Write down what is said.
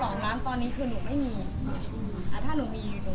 เหลือให้เป็นกระบวนการถามหนูไง